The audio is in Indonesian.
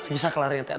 gisma kelar nyatain